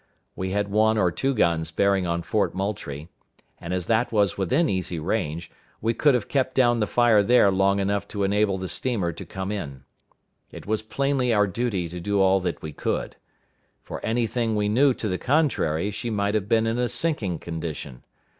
We had one or two guns bearing on Fort Moultrie; and as that was within easy range, we could have kept down the fire there long enough to enable the steamer to come in. It was plainly our duty to do all that we could. For any thing we knew to the contrary, she might have been in a sinking condition.